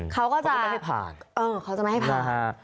เขาก็จะไม่ให้ผ่าน